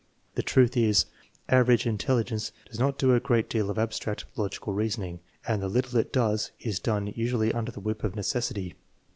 The truth is, average intelligence does not do a great deal of abstract, logical reasoning, and the little it does is done usually under the whip of necessity.